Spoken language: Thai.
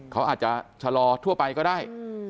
เขาอาจจะชะลอทั่วไปก็ได้